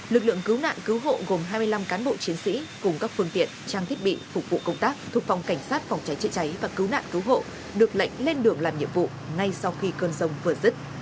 lực lượng cứu nạn cứu hộ gồm hai mươi năm cán bộ chiến sĩ cùng các phương tiện trang thiết bị phục vụ công tác thuộc phòng cảnh sát phòng cháy chữa cháy và cứu nạn cứu hộ được lệnh lên đường làm nhiệm vụ ngay sau khi cơn rông vừa dứt